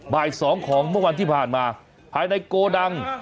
บ่าย๒ของเมื่อวันที่ผ่านมาภายในโกดัง